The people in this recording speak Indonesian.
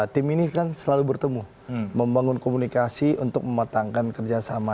tim ini kan selalu bertemu membangun komunikasi untuk mematangkan kerjasama